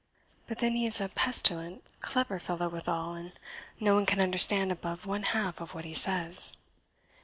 But then he is a pestilent clever fellow withal, and no one can understand above one half of what he says."